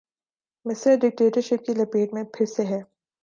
مصر ڈکٹیٹرشپ کی لپیٹ میں پھر سے ہے۔